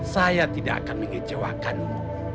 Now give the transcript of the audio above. saya tidak akan mengecewakanmu